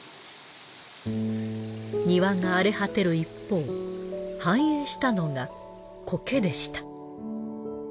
庭が荒れ果てる一方繁栄したのが苔でした。